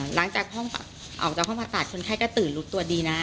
หลังจากออกจากห้องผ่าตัดคนไข้ก็ตื่นรู้ตัวดีนะ